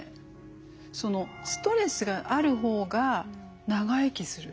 ストレスがある方が長生きする。